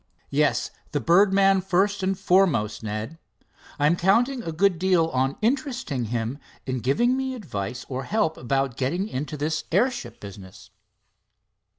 "Yes, the birdman first and foremost, Ned. I'm counting a good deal on interesting him in giving me advice or help about getting into this airship business."